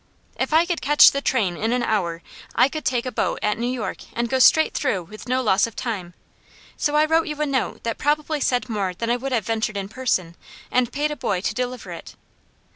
"'If I could catch the train in an hour, I could take a boat at New York, and go straight through with no loss of time. So I wrote you a note that probably said more than I would have ventured in person, and paid a boy to deliver it.'"